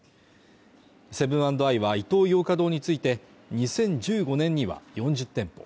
セブン＆アイはイトーヨーカドーについて、２０１５年には４０店舗。